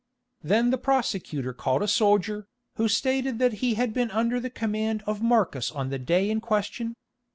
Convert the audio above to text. Then the prosecutor called a soldier, who stated that he had been under the command of Marcus on the day in question.